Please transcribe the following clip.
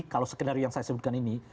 kalau skenario yang saya sebutkan ini